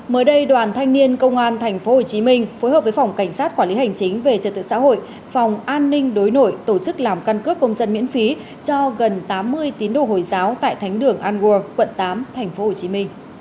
mới đây đoàn thanh niên công an tp hcm phối hợp với phòng cảnh sát quản lý hành chính về trật tự xã hội phòng an ninh đối nội tổ chức làm căn cước công dân miễn phí cho gần tám mươi tín đồ hồi giáo tại thánh đường angur quận tám tp hcm